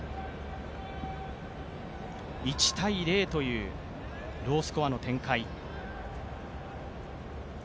１−０というロースコアの展開。